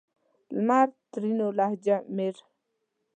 لمر؛ ترينو لهجه مير